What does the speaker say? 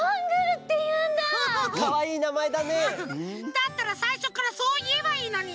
だったらさいしょからそういえばいいのに。